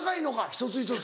一つ一つ。